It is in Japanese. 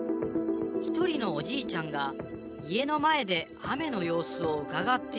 一人のおじいちゃんが家の前で雨の様子をうかがっている。